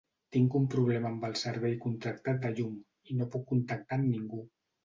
Tinc un problema amb el servei contractat de llum i no puc contactar amb ningú.